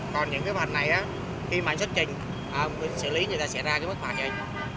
còn những phạm này khi màn sách trình xử lý người ta sẽ ra mất phạm vậy